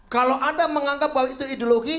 kalau anda menganggap bahwa itu ideologi